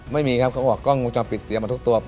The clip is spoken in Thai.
ไม่มีครับเขาบอกกล้องวงจรปิดเสียมาทุกตัว